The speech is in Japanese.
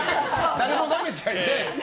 誰もなめちゃいない。